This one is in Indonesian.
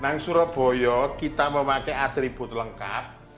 di surabaya kita memakai atribut lengkap